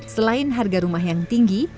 selain harga rumah yang tinggi